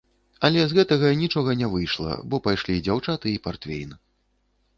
Але з гэтага нічога не выйшла, бо пайшлі дзяўчаты і партвейн.